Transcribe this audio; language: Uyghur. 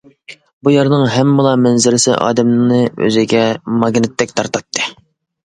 بۇ يەرنىڭ ھەممىلا مەنزىرىسى ئادەمنى ئۆزىگە ماگنىتتەك تارتاتتى.